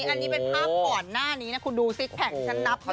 อันนี้เป็นภาพก่อนหน้านี้นะคุณดูซิกแพคฉันนับ